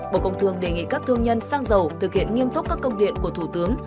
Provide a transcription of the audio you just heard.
bộ công thương đề nghị các thương nhân xăng dầu thực hiện nghiêm túc các công điện của thủ tướng